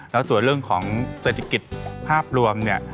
แล้วส่วนเรื่องของเศรษฐกิจภาพรวมเนี่ย